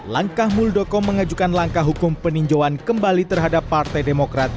langkah muldoko mengajukan langkah hukum peninjauan kembali terhadap partai demokrat